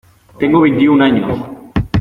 Tengo veintiún años.